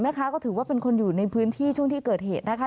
ก็ถือว่าเป็นคนอยู่ในพื้นที่ช่วงที่เกิดเหตุนะคะ